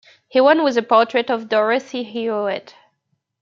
He won with a portrait of Dorothy Hewett.